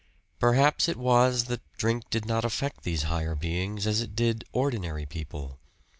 Perhaps it was that drink did not affect these higher beings as it did ordinary people!